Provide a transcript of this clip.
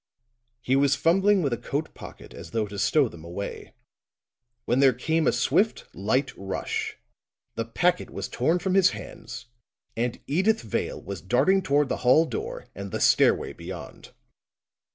He was fumbling with a coat pocket as though to stow them away, when there came a swift, light rush, the packet was torn from his hands, and Edyth Vale was darting toward the hall door and the stairway beyond.